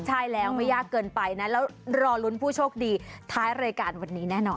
ใช่แล้วไม่ยากเกินไปนะแล้วรอลุ้นผู้โชคดีท้ายรายการวันนี้แน่นอน